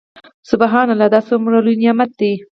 سبحان الله دا څومره لوى نعمت دى.